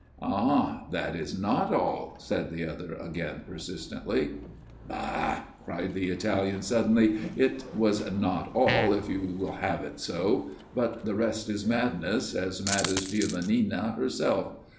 " Ah ! that is not all," said the other again, persistently. " Bah !" cried the Italian suddenly. " It was not all, if you will have it so. But the rest is madness, as mad as Giovannina herself.